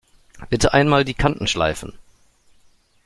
Bitte einmal die Kanten schleifen!